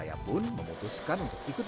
saya pun memutuskan untuk ikut